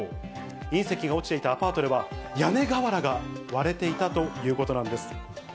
隕石が落ちていたアパートでは、屋根瓦が割れていたということなんです。